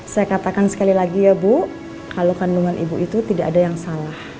saya katakan sekali lagi ya bu kalau kandungan ibu itu tidak ada yang salah